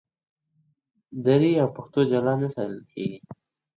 دري او پښتو جلا نه ساتل کېږي.